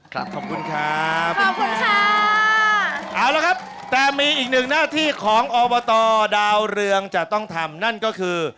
ขอบคุณครับขอบคุณครับเอาละครับแต่มีอีกหนึ่งหน้าที่ของอบตดาวเรืองจะต้องทำนั่นก็คือ